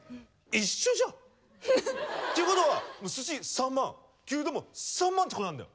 一緒じゃん。っていうことはすし３万牛丼も３万ってことなんだよ。